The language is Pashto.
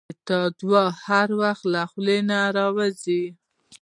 • ته د دعا هر وخت له زړه نه راووځې.